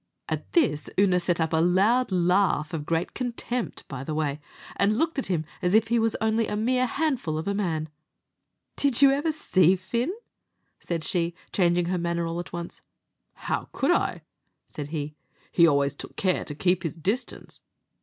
At this Oonagh set up a loud laugh, of great contempt, by the way, and looked at him as if he was only a mere handful of a man. "Did you ever see Fin?" said she, changing her manner all at once. "How could I?" said he; "he always took care to keep his distance."